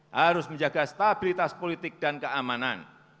harus menjaga stabilitas politik dan keamanan